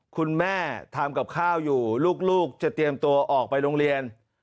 คุณแม่ทำกับข้าวอยู่ลูกจะเตรียมตัวออกไปโรงเรียน